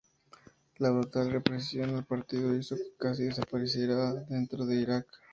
La brutal represión al partido hizo que casi desapareciera dentro de Irak.